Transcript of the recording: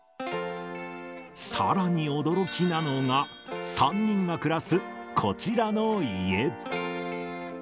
さらに驚きなのが、３人が暮らすこちらの家。